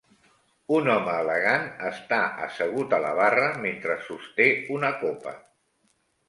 Un home elegant està assegut a la barra mentre sosté una copa